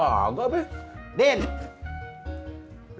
lu ngapa kagak beli aja sih meja